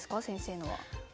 先生のは。